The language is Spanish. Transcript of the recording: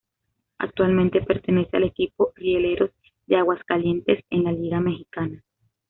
Actualmente pertenece al equipo Rieleros de Aguascalientes en la Liga Mexicana.